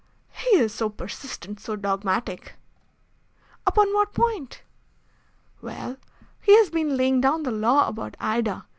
"He is so persistent so dogmatic." "Upon what point?" "Well, he has been laying down the law about Ida.